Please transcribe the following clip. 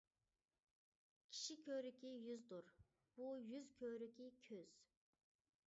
كىشى كۆركى يۈزدۇر، بۇ يۈز كۆركى-كۆز.